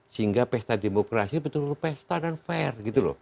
sehingga pesta demokrasi betul betul pesta dan fair